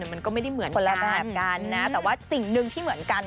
มันก็ไม่ได้เหมือนคนละแบบกันนะแต่ว่าสิ่งหนึ่งที่เหมือนกัน